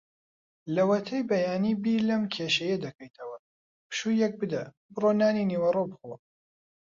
لەوەتەی بەیانی بیر لەم کێشەیە دەکەیتەوە. پشوویەک بدە؛ بڕۆ نانی نیوەڕۆ بخۆ.